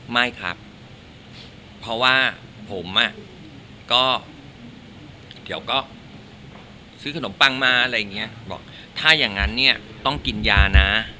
ไม่ครับเพราะว่าผมอ่ะก็เดี๋ยวก็ซื้อขนมปังมาอะไรอย่างเงี้ยบอกถ้าอย่างนั้นเนี่ยต้องกินยานะ